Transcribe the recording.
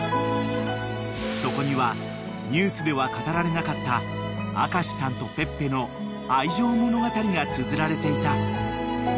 ［そこにはニュースでは語られなかった明さんとペッペの愛情物語がつづられていた］